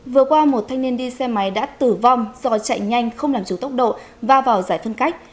vừa qua một thanh niên đi xe máy đã tử vong do chạy nhanh không làm chủ tốc độ và vào giải phân cách